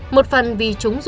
một phần vì chúng trả thù